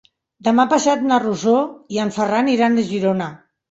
Demà passat na Rosó i en Ferran iran a Girona.